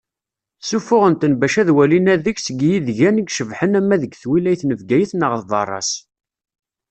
Ssufuɣen-ten bac ad d-walin adeg seg yidgan i icebḥen ama deg twilayt n Bgayet neɣ berra-s.